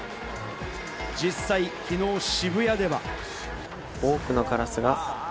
実際、昨日の渋谷では。